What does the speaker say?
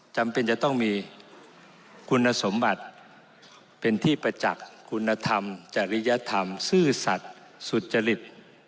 จำเป็นจะต้องมีคุณสมบัติเป็นที่ประจักษ์คุณธรรมจริยธรรมซื่อสัตว์สุจริต